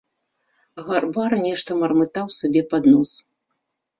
Гарбар нешта мармытаў сабе под нос.